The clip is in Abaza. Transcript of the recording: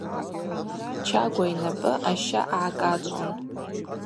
Чагва йнапӏы аща гӏакӏачӏвун.